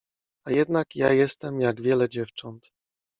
A jednak ja jestem jak wiele dziewcząt.